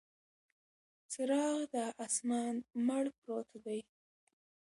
څراغ د اسمان، مړ پروت دی